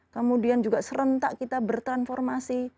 kemudian juga serentak kita bertransformasi